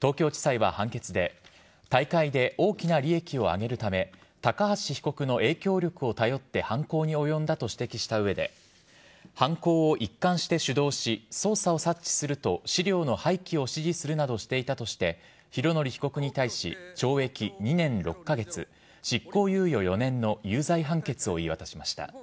東京地裁は判決で大会で、大きな利益を上げるため高橋被告の影響力を頼って犯行に及んだと指摘した上で犯行を一貫して主導し捜査を察知すると資料の廃棄を指示するなどしていたとして拡憲被告に対し懲役２年６カ月執行猶予４年の有罪判決を言い渡しました。